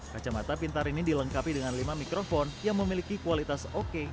kacamata pintar ini dilengkapi dengan lima mikrofon yang memiliki kualitas oke